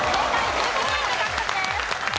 １５ポイント獲得です。